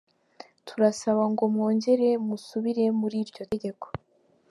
Turabasaba ngo mwongere musubire muri iryo tegeko.